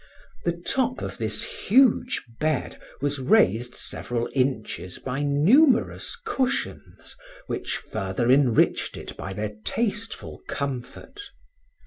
The top of this huge bed was raised several inches by numerous cushions, which further enriched it by their tasteful comfort.